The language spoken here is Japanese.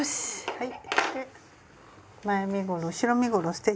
はい。